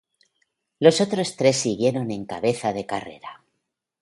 Los otros tres siguieron en cabeza de carrera.